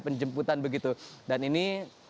penjemputan begitu dan ini